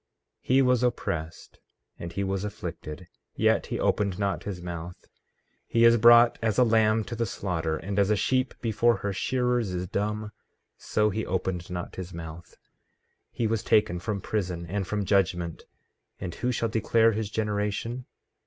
14:7 He was oppressed, and he was afflicted, yet he opened not his mouth; he is brought as a lamb to the slaughter, and as a sheep before her shearers is dumb so he opened not his mouth. 14:8 He was taken from prison and from judgment; and who shall declare his generation?